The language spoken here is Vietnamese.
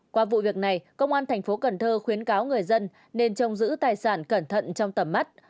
qua vụ việc này công an thành phố cần thơ khuyến cáo người dân nên trông giữ tài sản cẩn thận trong tầm mắt